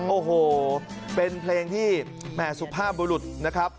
โอ้โหเป็นเพลงที่แหม่สุภาพบุรุษนะครับ